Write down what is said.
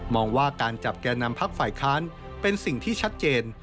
ว่าการจับแก่นำพักฝ่ายค้านเป็นสิ่งที่ชัดเจน